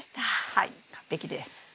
はい完璧です。